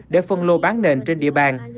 để phân lô bán nền trên địa bàn